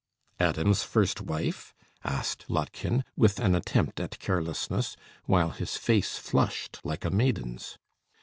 "Adam's first wife?" asked Lottchen, with an attempt at carelessness, while his face flushed like a maiden's.